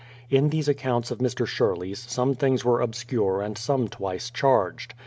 In these accounts of Mr. Sherley's some things were obscure and some twice charged.